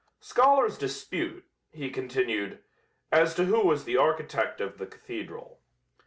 "Scholars dispute," he continued, "as to who was the architect of the cathedral.